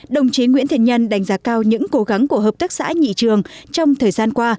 đồng chí nguyễn thiện nhân đánh giá cao những cố gắng của hợp tác xã nhị trường trong thời gian qua